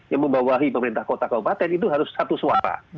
yang membawahi pemerintah kota kabupaten itu harus satu suara